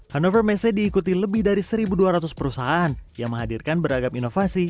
hannover messe diikuti lebih dari satu dua ratus perusahaan yang menghadirkan beragam inovasi